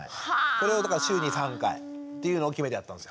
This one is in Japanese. これを週に３回っていうのを決めてやったんですよ。